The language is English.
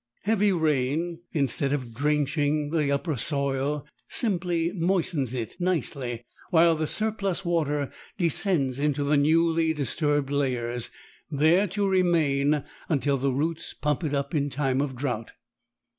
Heavy rain, instead of drenching the upper soil, simply moistens it nicely, while the surplus water descends into the newly disturbed layers, there to remain until the roots pump it up in time of drought.